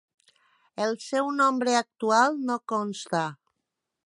El seu nombre actual no consta.